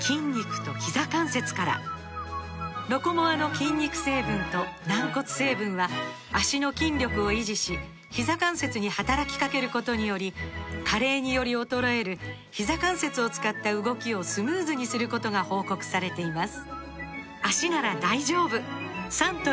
「ロコモア」の筋肉成分と軟骨成分は脚の筋力を維持しひざ関節に働きかけることにより加齢により衰えるひざ関節を使った動きをスムーズにすることが報告されています